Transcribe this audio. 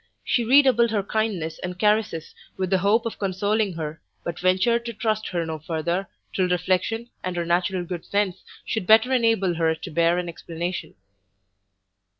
She redoubled her kindness and caresses with the hope of consoling her, but ventured to trust her no further, till reflection, and her natural good sense, should better enable her to bear an explanation.